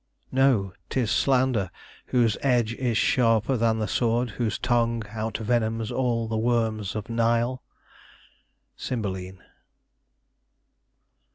"No, 'tis slander, Whose edge is sharper than the sword whose tongue Outvenoms all the worms of Nile." Cymbeline.